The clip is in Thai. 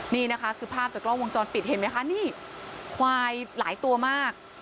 นี่นะคะคือภาพจากกล้องวงจรปิดเห็นไหมคะนี่ควายหลายตัวมาก